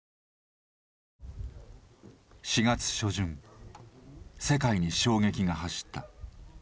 ４月初旬、世界に衝撃が走った。